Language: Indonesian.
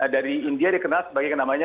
dari india dikenal sebagai